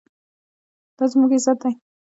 دا زموږ عزت دی؟